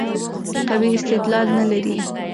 قوي استدلال نه لري.